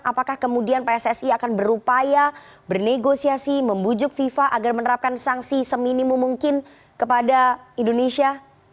apakah kemudian pssi akan berupaya bernegosiasi membujuk fifa agar menerapkan sanksi seminimum mungkin kepada indonesia